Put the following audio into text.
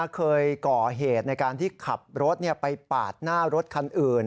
เคยก่อเหตุในการที่ขับรถไปปาดหน้ารถคันอื่น